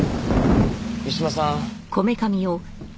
三島さん。